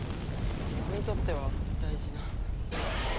俺にとっては大事な。